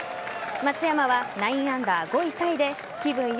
松山は９アンダー５位タイで気分